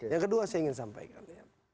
yang kedua saya ingin sampaikan